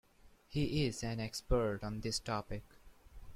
He is an expert on this topic.